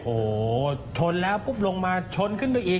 โอ้โหชนแล้วปุ๊บลงมาชนขึ้นไปอีก